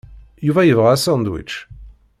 Yuba yebɣa asandwič.